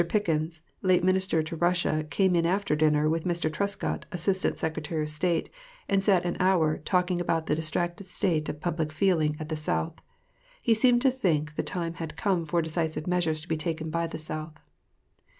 Pickens, late Minister to Russia, came in after dinner with Mr. Trescott, Assistant Secretary of State, and sat an hour, talking about the distracted state of public feeling at the South. He seemed to think the time had come for decisive measures to be taken by the South.